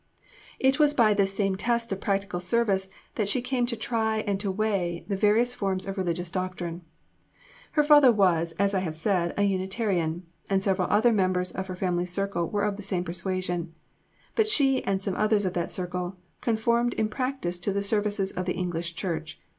It was by this same test of practical service that she came to try and to weigh the various forms of religious doctrine. Her father was, as I have said, a Unitarian, and several other members of her family circle were of the same persuasion. But she and some others of that circle conformed in practice to the services of the English Church.